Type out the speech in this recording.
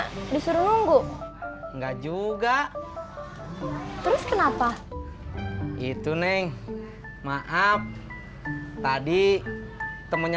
disuruh nunggu enggak juga terus kenapa itu neng maaf tadi temennya